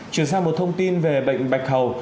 chuyển sang một thông tin về bệnh bạch hầu